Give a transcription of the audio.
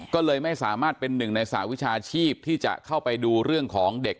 ก็เลยไม่สามารถเป็นหนึ่งในสหวิชาชีพที่จะเข้าไปดูเรื่องของเด็ก